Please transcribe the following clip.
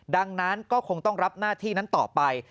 ดังนั้นก็คงต้องรับหน้าที่นั้นต่อไป